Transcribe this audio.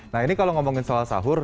nah ini kalau ngomongin soal sahur